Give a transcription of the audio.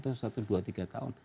atau satu dua tiga tahun